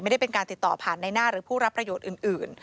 ไม่ได้เป็นการติดต่อผ่านในหน้าหรือผู้รับประโยชน์อื่น